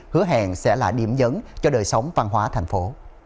hứa hẹn sẽ là điểm dấn cho đời sống văn hóa thành phố